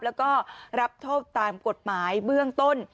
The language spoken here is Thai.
แล้วก็รับโทษตามกฎหมายเบื้องต้น